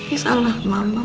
ini salah mama